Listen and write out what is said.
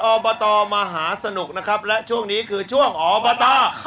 โอเบอตตอขอแรงกับการรวมพลังกันสัมพันธ์